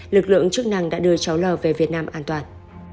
lực lượng chức năng đã đưa cháu lò về việt nam an toàn